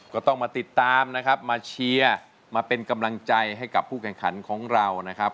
ก็ต้องมาติดตามนะครับมาเชียร์มาเป็นกำลังใจให้กับผู้แข่งขันของเรานะครับ